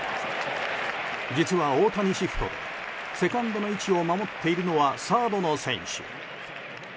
実は大谷シフトでセカンドの位置を守っているのはサードの選手。